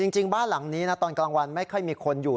จริงบ้านหลังนี้นะตอนกลางวันไม่ค่อยมีคนอยู่